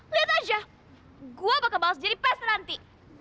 liat aja gue bakal bales jadi pesta nanti